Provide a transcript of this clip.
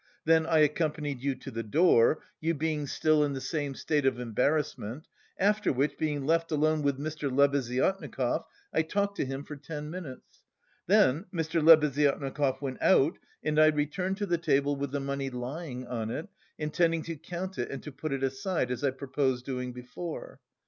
Then I accompanied you to the door you being still in the same state of embarrassment after which, being left alone with Mr. Lebeziatnikov I talked to him for ten minutes then Mr. Lebeziatnikov went out and I returned to the table with the money lying on it, intending to count it and to put it aside, as I proposed doing before.